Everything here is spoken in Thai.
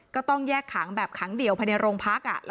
ก็ต้องแยกขังแบบขังเดี่ยวภายในโรงพัก